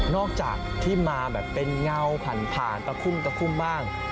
จากที่มาแบบเป็นเงาผ่านตะคุ่มตะคุ่มบ้าง